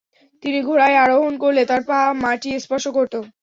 তিনি ঘোড়ায় আরোহণ করলে তার পা মাটি স্পর্শ করত।